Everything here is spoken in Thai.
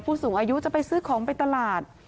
ผู้สูงอายุจะไปซื้อของไปตลาด